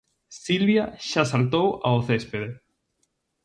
Silvia xa saltou ao céspede.